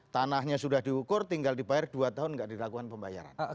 tanahnya sudah diukur tinggal dibayar dua tahun tidak dilakukan pembayaran